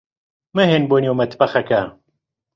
مەھێن بۆ نێو مەتبەخەکە.